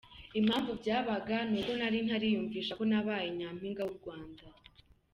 Impamvu byabaga nuko nari ntariyumvisha ko nabanye Nyampinga w’u Rwanda.